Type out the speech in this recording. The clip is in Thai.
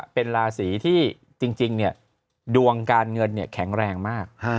เป็นราศีที่จริงดวงการเงินแข็งแรงมาก